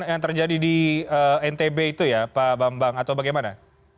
yang terjadi di ntb itu ya pak bambang atau bagaimana